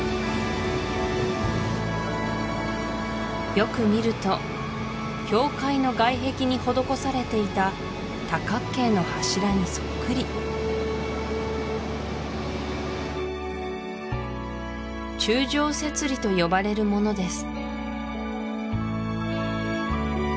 よく見ると教会の外壁に施されていた多角形の柱にそっくり柱状節理と呼ばれるものです